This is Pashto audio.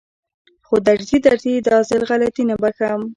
خو درځي درځي دا ځل غلطي نه بښم.